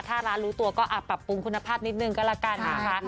ถ้าร้านรู้ตัวก็ปรับปรุงคุณภาพนิดนึงก็แล้วกันนะคะ